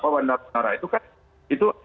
bandara itu kan itu